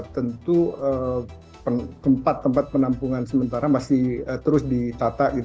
tentu tempat tempat penampungan sementara masih terus ditata